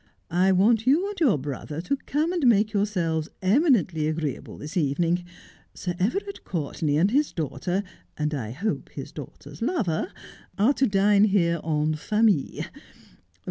' I want you and your brother to come and make yourselves eminently agree able this evening. Sir Everard Courtenay and his daughter — and I hope his daughter's lover — are to dine here en famille.